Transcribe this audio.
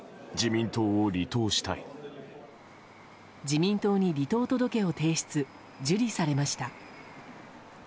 自民党に離党届を提出受理されました。